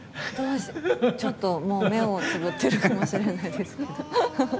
ちょっと、もう目をつむってるかもしれないです。